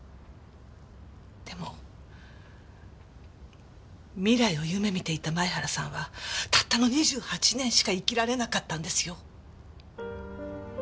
でも未来を夢見ていた前原さんはたったの２８年しか生きられなかったんですよ。